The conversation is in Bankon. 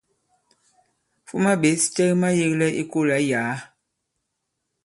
Fuma ɓěs cɛ ki mayēglɛ i kolà i yàa.